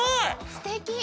すてき！